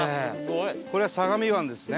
これは相模湾ですね。